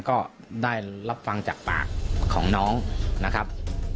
ก็ได้รับฟังจากปากของน้องนะครับ